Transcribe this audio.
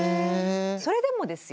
それでもですよ